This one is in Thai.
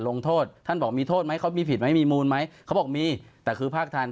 ลงโทษท่านบอกมีโทษไหมเขามีผิดไหมมีมูลไหมเขาบอกมีแต่คือภาคทัน